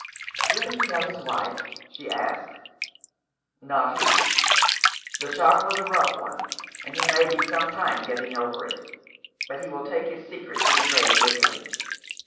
"Will he tell his wife?" she asked. "Not he. The shock was a rough one, and he may be some time getting over it ; but he will take his secret to the grave with him.